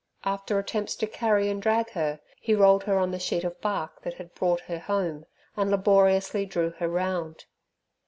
After attempts to carry and drag her, he rolled her on the sheet of bark that had brought her home, and laboriously drew her round.